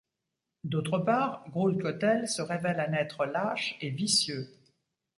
D'autre part, Groult-Cotelle se révèle un être lâche et vicieux.